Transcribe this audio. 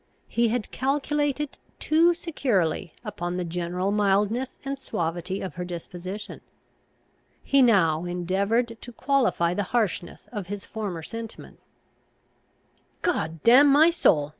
He had calculated too securely upon the general mildness and suavity of her disposition. He now endeavoured to qualify the harshness of his former sentiments. "God damn my soul!